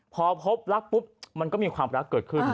พอพบรักปุ๊บมันก็มีความรักเกิดขึ้น